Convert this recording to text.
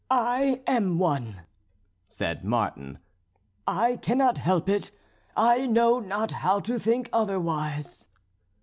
"I am one," said Martin. "I cannot help it; I know not how to think otherwise."